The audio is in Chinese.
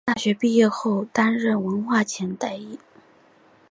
大学毕业后在台中市政府文化局表演艺术科担任文化替代役。